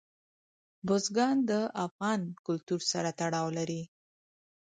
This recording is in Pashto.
بزګان د افغان کلتور سره تړاو لري.